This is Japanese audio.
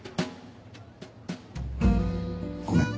ごめん。